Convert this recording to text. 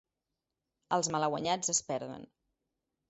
Els malaguanyats es perden.